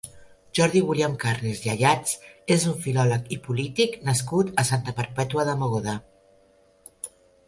Jordi William Carnes i Ayats és un filòleg i polític nascut a Santa Perpètua de Mogoda.